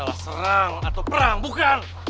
alet abah gue mana